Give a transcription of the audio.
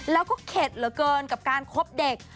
แล้วก็เข็ดเหลือเกินกับการคบเด็ก